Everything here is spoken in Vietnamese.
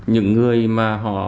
những người mà họ